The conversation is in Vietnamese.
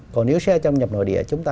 còn nếu xe trong nhập nội địa chúng ta